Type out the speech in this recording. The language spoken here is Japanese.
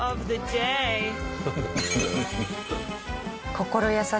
心優しき